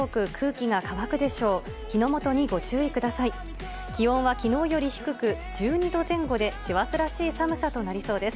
気温はきのうより低く、１２度前後で師走らしい寒さとなりそうです。